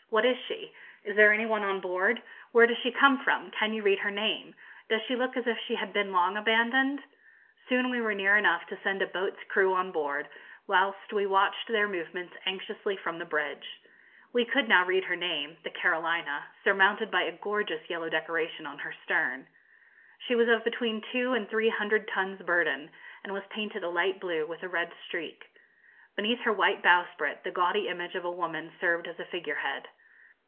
'What is she?' 'Is there any one on board?' 'Where does she come from?' 'Can you read her name?' 'Does she look as if she had been long abandoned?' Soon we were near enough to send a boat's crew on board, whilst we watched their movements anxiously from the bridge. We could now read her name the 'Carolina' surmounted by a gorgeous yellow decoration on her stern. She was of between two and three hundred tons burden, and was painted a light blue, with a red streak. Beneath her white bowsprit the gaudy image of a woman served as a figure head.